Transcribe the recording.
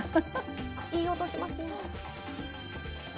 いい音しますね！